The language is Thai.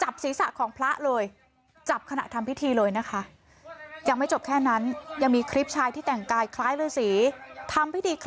โปรดติดตามตอนตอนนี้